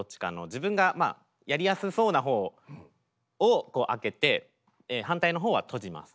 自分がやりやすそうなほうを開けて反対のほうは閉じます。